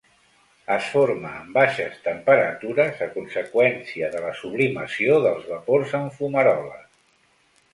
Es forma en baixes temperatures a conseqüència de la sublimació dels vapors en fumaroles.